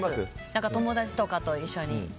友達とかと一緒に。